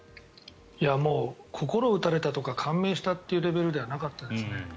心打たれたとか感銘したというレベルではなかったですね。